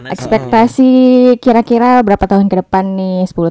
ekspektasi kira kira berapa tahun ke depan nih